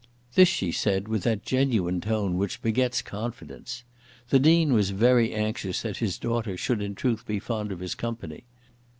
This she said with that genuine tone which begets confidence. The Dean was very anxious that his daughter should in truth be fond of his company.